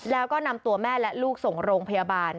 แล้วก็นำตัวแม่และลูกส่งโรงพยาบาล